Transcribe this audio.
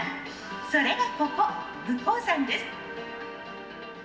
それがここ武甲山です」。